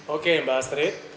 oke mbak astrid